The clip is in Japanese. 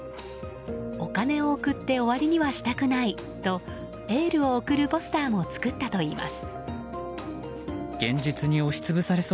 お金を送って終わりにはしたくないとエールを送るポスターも作ったといいます。